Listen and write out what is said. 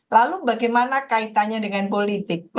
lalu bagaimana kaitannya dengan politik